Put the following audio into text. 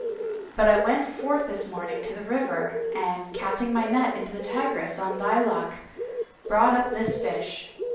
But I went forth this morning to the river and, casting my net into the Tigris on thy luck, brought up this fish."